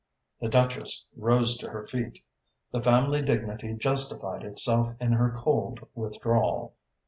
The Duchess rose to her feet. The family dignity justified itself in her cold withdrawal.